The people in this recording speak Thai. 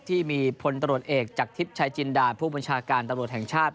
ที่มีพลตรวจเอกจากทิพย์ชายจินดาผู้บัญชาการตำรวจแห่งชาติ